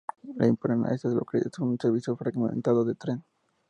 Le imponen a estas localidades un servicio fragmentado de tren